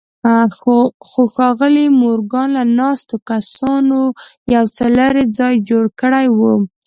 خو ښاغلي مورګان له ناستو کسانو يو څه لرې ځای جوړ کړی و.